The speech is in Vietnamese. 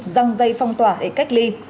răng dây phong tỏa để cách ly